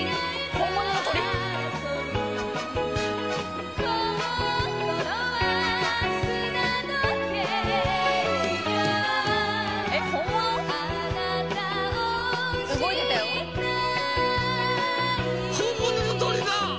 本物の鳥だ！